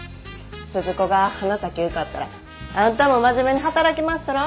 鈴子が花咲受かったらあんたも真面目に働きまっしゃろ？